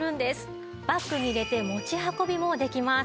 バッグに入れて持ち運びもできます。